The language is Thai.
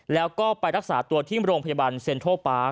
แล้วก็ไปรักษาตัวที่โรงพยาบาลเซ็นทรัลปาร์ค